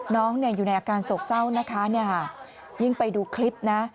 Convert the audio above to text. น้องอยู่ในอาการโศกเศร้านะคะยิ่งไปดูคลิปนะ